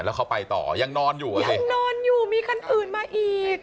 แล้วเขาไปต่อยังนอนอยู่อ่ะสินอนอยู่มีคันอื่นมาอีก